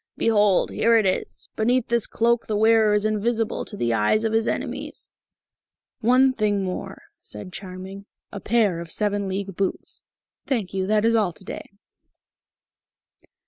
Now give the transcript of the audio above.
"Behold, here it is. Beneath this cloak the wearer is invisible to the eyes of his enemies." "One thing more," said Charming. "A pair of seven league boots.... Thank you. That is all to day."